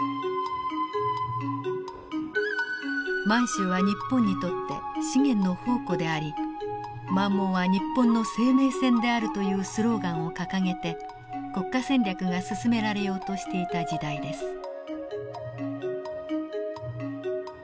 満州は日本にとって資源の宝庫であり「満蒙は日本の生命線である」というスローガンを掲げて国家戦略が進められようとしていた時代です。